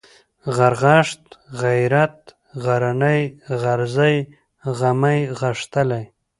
غرغښت ، غيرت ، غرنى ، غرزی ، غمی ، غښتلی